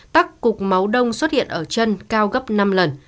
tắc cục máu đông xuất hiện ở chân cao gấp năm lần